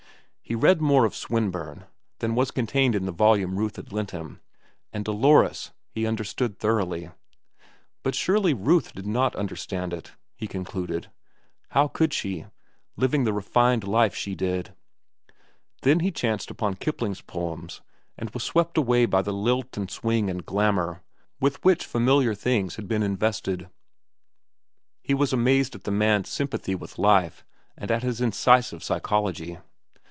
He read more of Swinburne than was contained in the volume Ruth had lent him; and "Dolores" he understood thoroughly. But surely Ruth did not understand it, he concluded. How could she, living the refined life she did? Then he chanced upon Kipling's poems, and was swept away by the lilt and swing and glamour with which familiar things had been invested. He was amazed at the man's sympathy with life and at his incisive psychology.